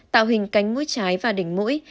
tạo hình cánh mũi trái và đỉnh mũi